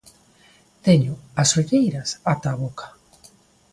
Teño as olleiras ata a boca.